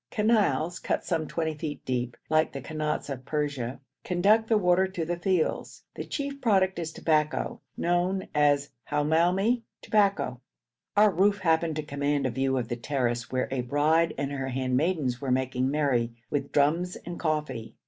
Canals cut some twenty feet deep, like the kanats of Persia, conduct the water to the fields. The chief product is tobacco, known as Hamoumi tobacco. Our roof happened to command a view of the terrace where a bride and her handmaidens were making merry with drums and coffee.